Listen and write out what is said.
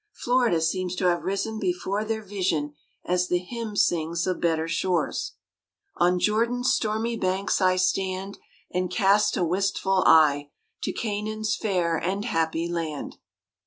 Florida seems to have risen before their vision as the hymn sings of better shores: "On Jordan's stormy banks I stand, And cast a wistful eye To Canaan's fair and happy land."